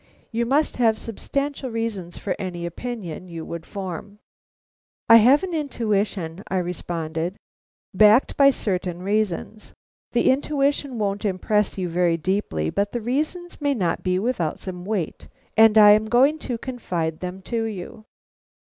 You must have substantial reasons for any opinion you would form." "I have an intuition," I responded, "backed by certain reasons. The intuition won't impress you very deeply, but the reasons may not be without some weight, and I am going to confide them to you."